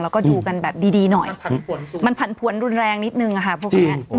แล้วก็ดูกันแบบดีหน่อยมันผันผวนรุนแรงนิดนึงค่ะพวกนี้